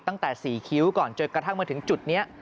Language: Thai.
ตั้งแต่๔คิ้วก่อนจนกระทั่งมาถึงจุดนี้